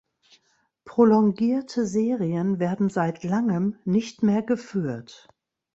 Prolongierte Serien werden seit langem nicht mehr geführt.